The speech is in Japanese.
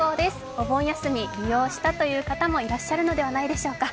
お盆休みに利用した方もいらっしゃるのではないでしょうか。